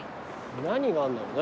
何があんだろうね。